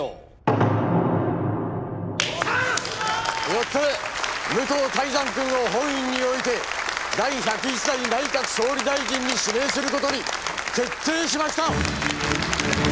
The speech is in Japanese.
よって武藤泰山くんを本院において第１０１代内閣総理大臣に指名する事に決定しました！